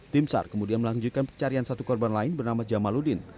tim sar kemudian melanjutkan pencarian satu korban lain bernama jamaludin